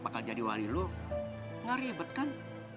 bakal jadi wali lo gak ribet kan